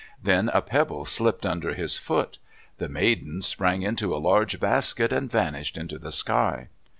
Then a pebble slipped under his foot. The maidens sprang into a large basket, and vanished into the sky.